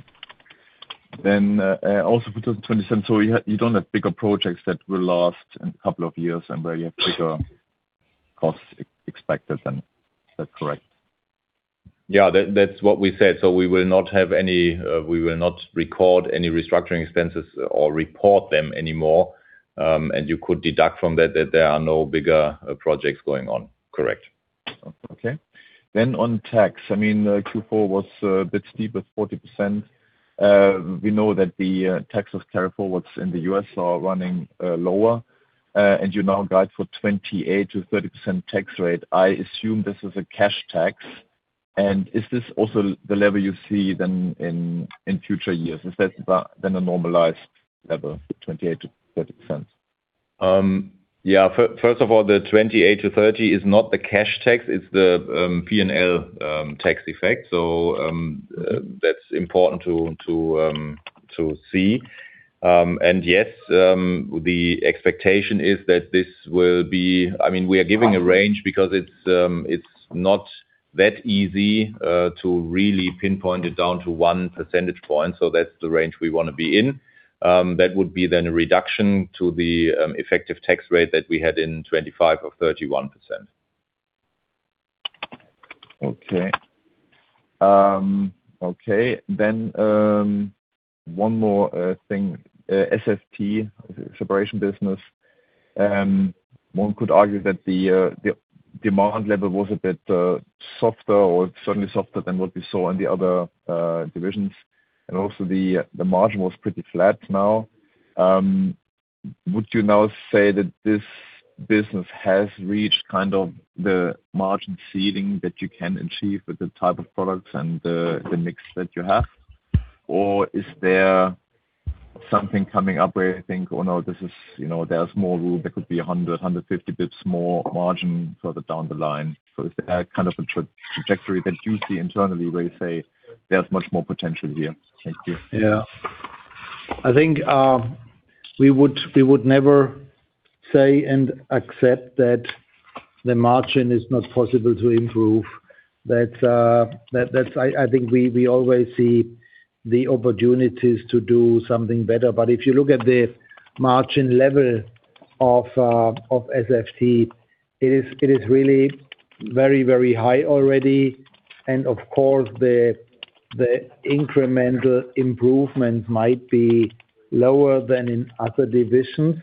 also for 2027. You don't have bigger projects that will last a couple of years and where you have bigger costs expected than. Is that correct? Yeah. That's what we said. We will not have any, we will not record any restructuring expenses or report them anymore, and you could deduct from that there are no bigger projects going on. Correct. Okay. On tax, I mean, Q4 was a bit steep at 40%. We know that the taxes carryforwards in the U.S. are running lower, and you now guide for 28%-30% tax rate. I assume this is a cash tax. Is this also the level you see then in future years? Is that the normalized level, 28%-30%? Yeah. First of all, the 28%-30% is not the cash tax, it's the P&L tax effect. That's important to see. Yes, the expectation is that this will be-- I mean, we are giving a range because it's not that easy to really pinpoint it down to 1 percentage point, so that's the range we wanna be in. That would be then a reduction to the effective tax rate that we had in 25% or 31%. Okay. One more thing. SFT, separation business. One could argue that the demand level was a bit softer or certainly softer than what we saw in the other divisions. Also the margin was pretty flat now. Would you now say that this business has reached kind of the margin ceiling that you can achieve with the type of products and the mix that you have? Is there something coming up where you think, "Oh, no, this is, you know, there's more room, there could be 100, 150 bps more margin further down the line." Is there kind of a trajectory that you see internally where you say there's much more potential here? Thank you. Yeah. I think we would never say and accept that the margin is not possible to improve. I think we always see the opportunities to do something better. If you look at the margin level of SFT, it is really very, very high already. Of course, the incremental improvement might be lower than in other divisions.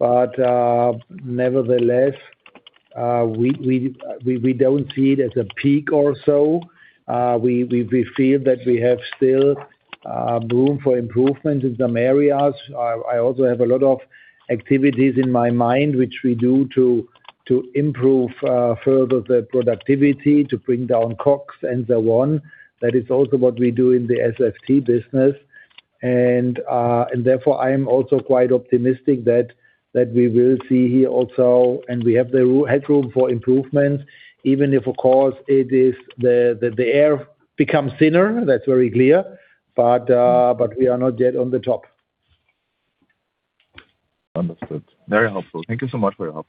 Nevertheless, we don't see it as a peak or so. We feel that we have still room for improvement in some areas. I also have a lot of activities in my mind, which we do to improve further the productivity, to bring down costs and so on. That is also what we do in the SFT business. Therefore, I am also quite optimistic that we will see here also, and we have the headroom for improvement, even if, of course, it is the air becomes thinner, that's very clear, but we are not yet on the top. Understood. Very helpful. Thank you so much for your help.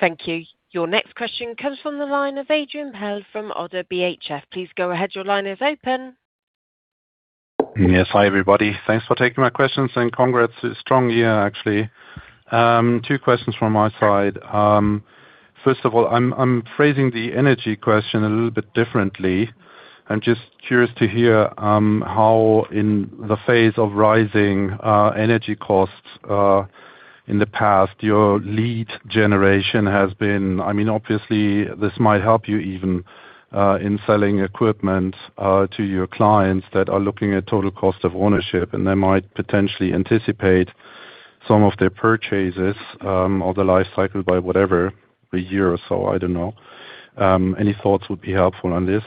Thank you. Your next question comes from the line of Adrian Pehl from ODDO BHF. Please go ahead. Your line is open. Yes. Hi, everybody. Thanks for taking my questions, and congrats. It's strong year actually. Two questions from my side. First of all, I'm phrasing the energy question a little bit differently. I'm just curious to hear how in the face of rising energy costs in the past, your lead generation has been? I mean, obviously this might help you even in selling equipment to your clients that are looking at total cost of ownership, and they might potentially anticipate some of their purchases, or their life cycle by whatever, a year or so, I don't know. Any thoughts would be helpful on this.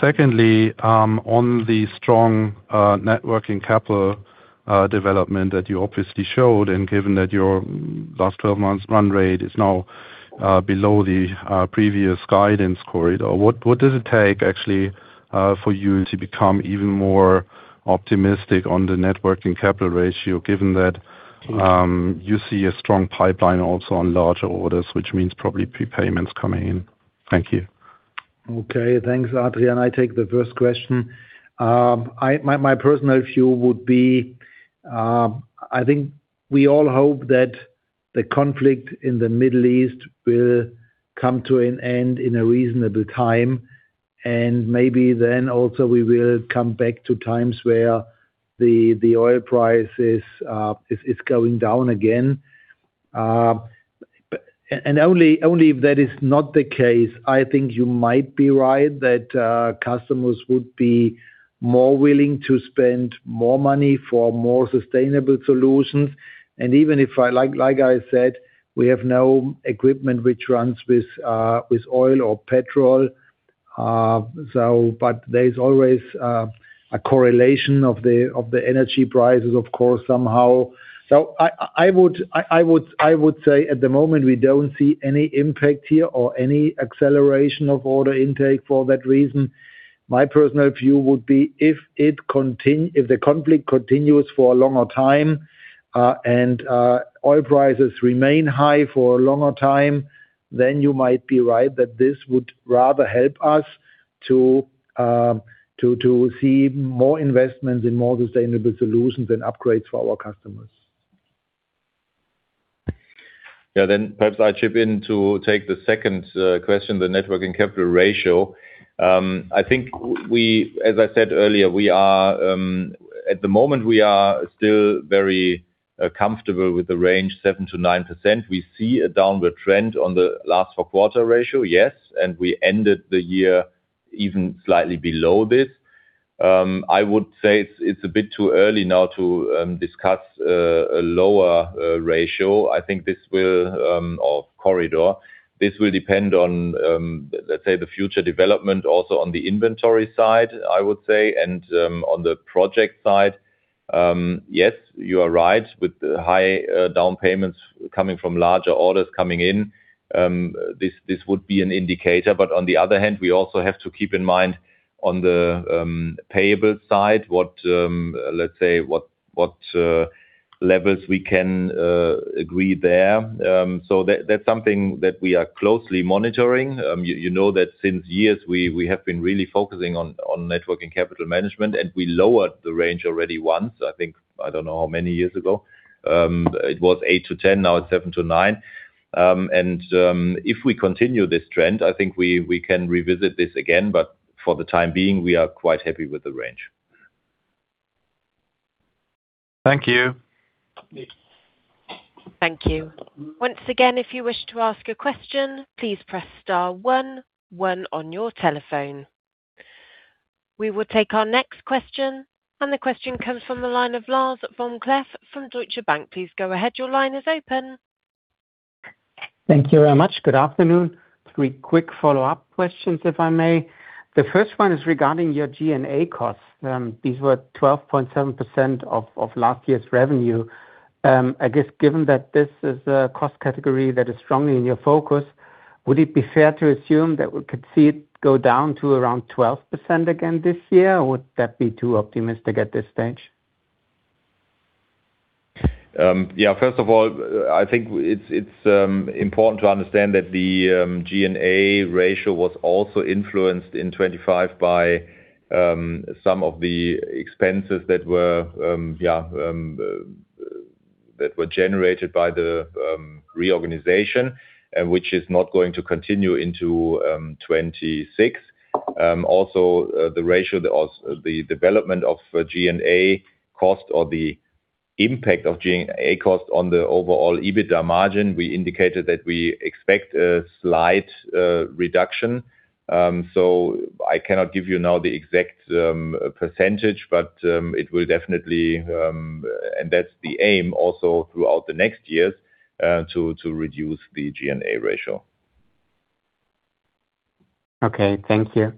Secondly, on the strong networking capital development that you obviously showed, and given that your last 12 months run rate is now below the previous guidance corridor, what does it take actually, for you to become even more optimistic on the networking capital ratio, given that, you see a strong pipeline also on larger orders, which means probably prepayments coming in? Thank you. Okay. Thanks, Adrian. I take the first question. My personal view would be, I think we all hope that the conflict in the Middle East will come to an end in a reasonable time. Maybe then also we will come back to times where the oil price is going down again. Only if that is not the case, I think you might be right that customers would be more willing to spend more money for more sustainable solutions. Even if I like I said, we have no equipment which runs with oil or petrol. There is always a correlation of the energy prices, of course, somehow. I would say at the moment, we don't see any impact here or any acceleration of order intake for that reason. My personal view would be if the conflict continues for a longer time, and oil prices remain high for a longer time, then you might be right that this would rather help us to see more investments in more sustainable solutions and upgrades for our customers. Perhaps I chip in to take the second question, the net working capital ratio. I think As I said earlier, we are at the moment, we are still very comfortable with the range 7%-9%. We see a downward trend on the last four-quarter ratio, yes, and we ended the year even slightly below this. I would say it's a bit too early now to discuss a lower ratio. I think this will or corridor. This will depend on, let's say, the future development also on the inventory side, I would say, and on the project side. Yes, you are right. With high down payments coming from larger orders coming in, this would be an indicator. On the other hand, we also have to keep in mind on the payable side, what, let's say, what levels we can agree there. That's something that we are closely monitoring. You know that since years we have been really focusing on networking capital management, and we lowered the range already once, I think, I don't know how many years ago. It was 8%-10%, now it's 7%-9%. If we continue this trend, I think we can revisit this again, but for the time being, we are quite happy with the range. Thank you. Thank you. Once again, if you wish to ask a question, please press star one on your telephone. We will take our next question. The question comes from the line of Lars Vom-Cleff from Deutsche Bank. Please go ahead. Your line is open. Thank you very much. Good afternoon. Three quick follow-up questions, if I may. The first one is regarding your G&A costs. These were 12.7% of last year's revenue. I guess given that this is a cost category that is strongly in your focus, would it be fair to assume that we could see it go down to around 12% again this year, or would that be too optimistic at this stage? First of all, I think it's important to understand that the G&A ratio was also influenced in 2025 by some of the expenses that were generated by the reorganization, and which is not going to continue into 2026. The ratio, the development of G&A cost or the impact of G&A cost on the overall EBITDA margin, we indicated that we expect a slight reduction. I cannot give you now the exact percentage, but it will definitely, and that's the aim also throughout the next years, to reduce the G&A ratio. Thank you.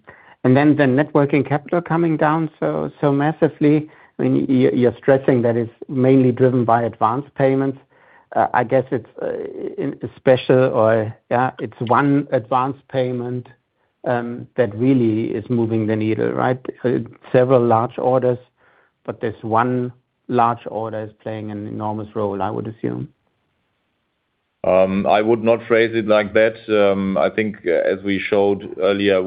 The networking capital coming down so massively. I mean, you're stressing that it's mainly driven by advanced payments. I guess it's special or, yeah, it's one advanced payment that really is moving the needle, right? Several large orders, this one large order is playing an enormous role, I would assume. I would not phrase it like that. I think as we showed earlier,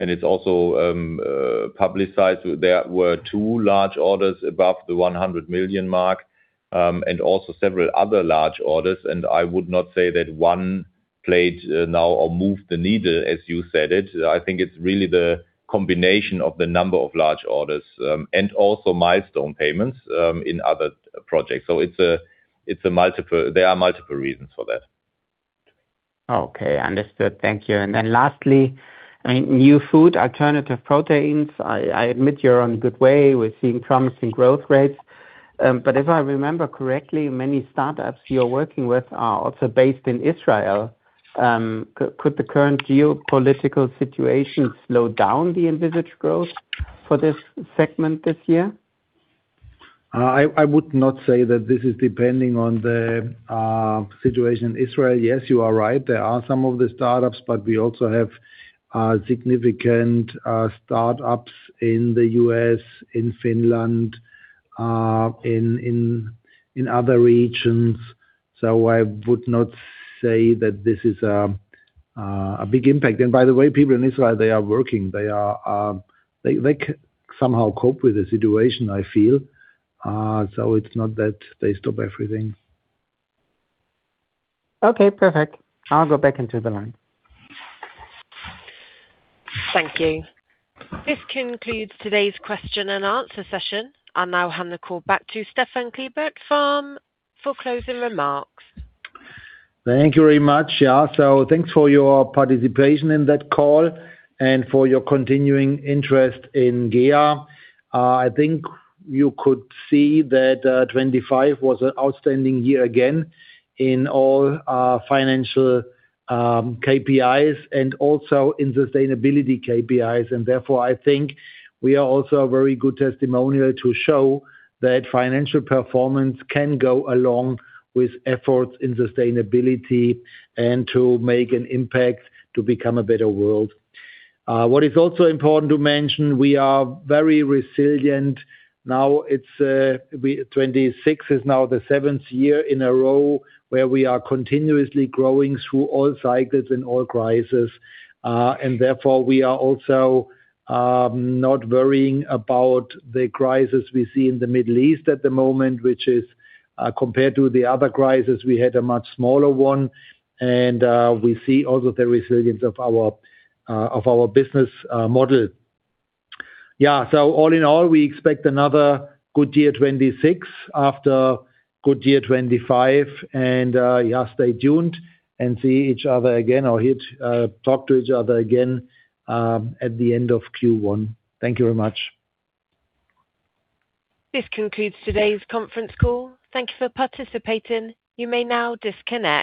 and it's also publicized, there were two large orders above the 100 million mark, and also several other large orders. I would not say that one played now or moved the needle, as you said it. I think it's really the combination of the number of large orders, and also milestone payments in other projects. There are multiple reasons for that. Okay. Understood. Thank you. lastly, I mean, New Food, alternative proteins. I admit you're on good way. We're seeing promising growth rates. If I remember correctly, many startups you're working with are also based in Israel. Could the current geopolitical situation slow down the envisaged growth for this segment this year? I would not say that this is depending on the situation in Israel. Yes, you are right. There are some of the startups, but we also have significant startups in the U.S., in Finland, in other regions. I would not say that this is a big impact. By the way, people in Israel, they are working. They are. They somehow cope with the situation, I feel. It's not that they stop everything. Okay, perfect. I'll go back into the line. Thank you. This concludes today's question and answer session. I'll now hand the call back to Stefan Klebert for closing remarks. Thank you very much. Yeah. Thanks for your participation in that call and for your continuing interest in GEA. I think you could see that 2025 was an outstanding year again in all our financial KPIs and also in sustainability KPIs. Therefore, I think we are also a very good testimonial to show that financial performance can go along with efforts in sustainability and to make an impact to become a better world. What is also important to mention, we are very resilient. Now, it's, 2026 is now the seventh year in a row where we are continuously growing through all cycles and all crises. Therefore, we are also not worrying about the crisis we see in the Middle East at the moment, which is compared to the other crises, we had a much smaller one. We see also the resilience of our of our business model. Yeah. All in all, we expect another good year 2026 after good year 2025. yeah, stay tuned and see each other again or talk to each other again at the end of Q1. Thank you very much. This concludes today's conference call. Thank you for participating. You may now disconnect.